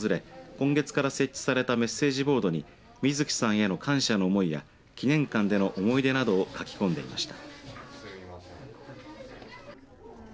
今月から設置されたメッセージボードに水木さんへの感謝の思いや記念館での思い出などを書き込んでいました。